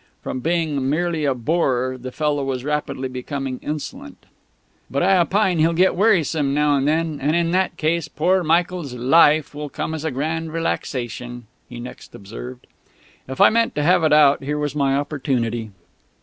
From being merely a bore the fellow was rapidly becoming insolent. "But I opine he'll get wearisome now and then, and in that case poor Michael's 'Life' will come as a grand relaxation," he next observed. If I meant to have it out, here was my opportunity.